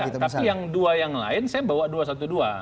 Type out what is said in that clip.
tapi yang dua yang lain saya bawa